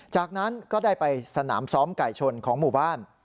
จากนั้นก็ได้ไปสนามซ้อมไก่ชนของหมู่บ้าน